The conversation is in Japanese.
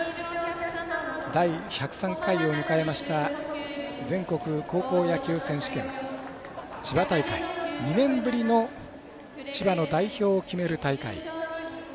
第１０３回を迎えました全国高校野球選手権千葉大会２年ぶりの千葉の代表を決める大会。